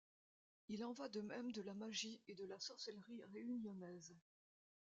Il en va de même de la magie et de la sorcellerie réunionnaise.